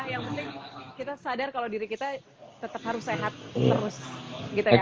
yang penting kita sadar kalau diri kita tetap harus sehat terus gitu ya